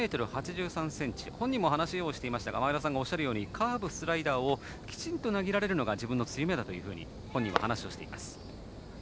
１ｍ８３ｃｍ本人も話をしていましたが前田さんがおっしゃるようにカーブ、スライダーをきちんと投げられるのが自分の強みだと話しています。